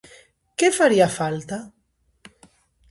Que faría falta?